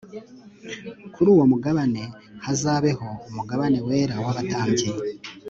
kuri uwo mugabane hazabeho umugabane wera w'abatambyi